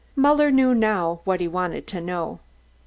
Muller knew now what he wanted to know.